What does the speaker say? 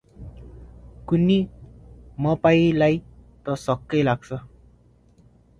कुन्नि, मपाईंलाई त शकै लाग्छ ।